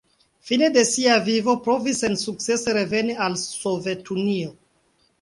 Fine de sia vivo provis sensukcese reveni al Sovetunio.